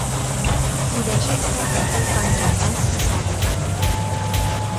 إذا شئت أن تلقى من الناس صادقا